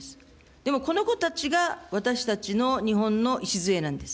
でもこの子たちが私たちの日本の礎なんです。